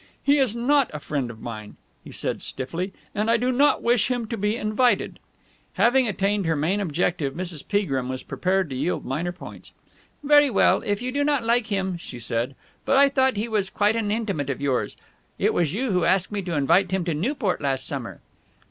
"He is not a friend of mine," he said stiffly, "and I do not wish him to be invited!" Having attained her main objective, Mrs. Peagrim was prepared to yield minor points. "Very well, if you do not like him," she said. "But I thought he was quite an intimate of yours. It was you who asked me to invite him to Newport last summer."